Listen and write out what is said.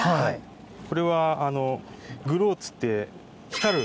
これはグローっつって光る。